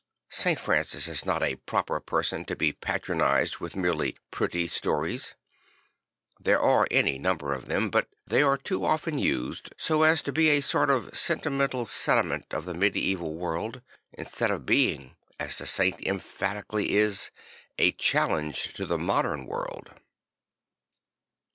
St. Francis is not a proper person to be patronised with merely U pretty " stories. There are any number of them; but they are too often used so as to be a sort of senti mental sediment of the medieval world, instead of being, as the saint emphatically is, a challenge to the modem world.